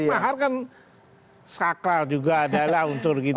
mahar kan sakral juga adalah unsur gitu